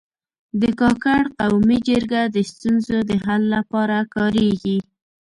د کاکړ قومي جرګه د ستونزو د حل لپاره کارېږي.